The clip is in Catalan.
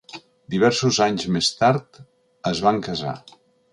Diversos anys més tard es van casar.